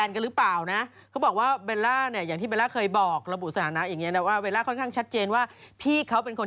คุณเนี่ยสิแหมปากถือสินนะ